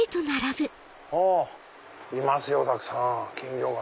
いますよたくさん金魚が。